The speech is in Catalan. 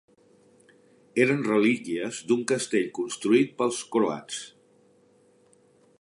Eren relíquies d'un castell construït pels croats.